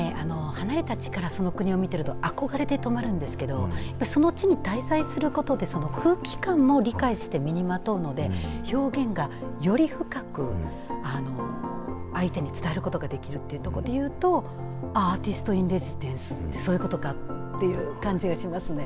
離れた地からその国を見てると、あこがれで止まるんですけど、やっぱりその地に滞在することで、その空気管も理解して身にまとうので、表現がより深く、相手に伝えることができるというところでいうと、アーティストインレジデンスって、そういうことかっていう感じがしますね。